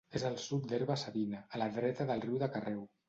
És al sud d'Herba-savina, a la dreta del riu de Carreu.